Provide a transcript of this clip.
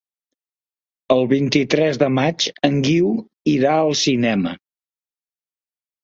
El vint-i-tres de maig en Guiu irà al cinema.